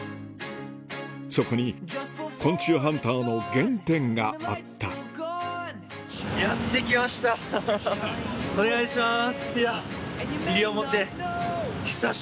そこに昆虫ハンターの原点があったお願いします！